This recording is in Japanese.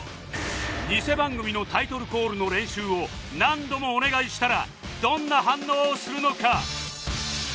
偽番組のタイトルコールの練習を何度もお願いしたらどんな反応をするのか？